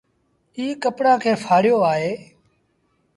ايٚ ڪپڙآن کي ڦآڙيو آئي۔